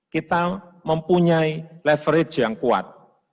kita mempunyai leverage yang kuat